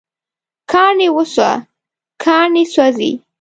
کاڼي وسوه، کاڼي سوزی